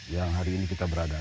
yang hari ini kita berada